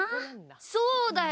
そうだよ！